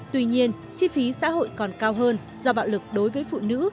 tuy nhiên chi phí xã hội còn cao hơn do bạo lực đối với phụ nữ